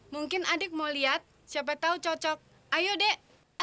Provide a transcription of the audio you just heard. mungkin adik mau lihat siapa tahu cocok ayo dek